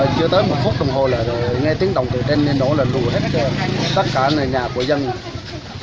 chưa tới một phút đồng hồ là nghe tiếng động từ trên nên nó là lùa hết tất cả nhà của anh hùng